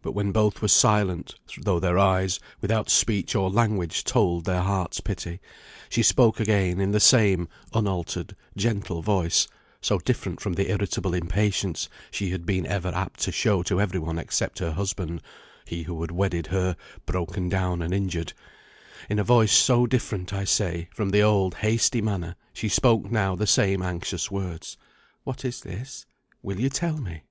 But when both were silent, though their eyes, without speech or language, told their hearts' pity, she spoke again in the same unaltered gentle voice (so different from the irritable impatience she had been ever apt to show to every one except her husband, he who had wedded her, broken down and injured) in a voice so different, I say, from the old, hasty manner, she spoke now the same anxious words, "What is this? Will you tell me?"